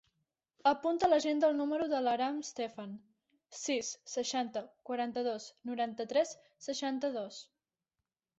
Apunta a l'agenda el número de l'Aram Stefan: sis, seixanta, quaranta-dos, noranta-tres, seixanta-dos.